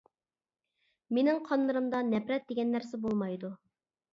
مېنىڭ قانلىرىمدا نەپرەت دېگەن نەرسە بولمايدۇ.